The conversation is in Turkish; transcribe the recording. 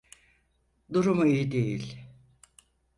Durumu iyi değil.